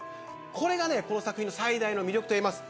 これが、この作品の最大の魅力と言えます。